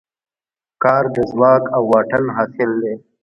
کار د ځواک او واټن حاصل دی.